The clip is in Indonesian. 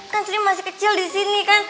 kan sendiri masih kecil di sini kan